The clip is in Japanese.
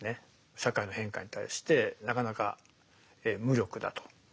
社会の変化に対してなかなか無力だと。